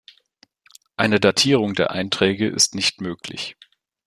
Eine Datierung der Einträge ist nicht möglich.